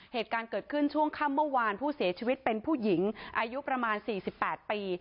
เหตุการณ์เกิดขึ้นช่วงค่ำเมื่อวานผู้เสียชีวิตเป็นผู้หญิงอายุประมาณ๔๘ปี